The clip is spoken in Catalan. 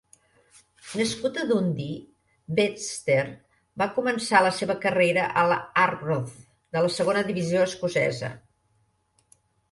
Nascut a Dundee, Webster va començar la seva carrera al Arbroath, de la segona divisió escocesa.